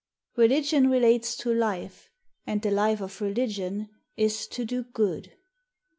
" Religion relates to life, and the life of religion is to do gOOd.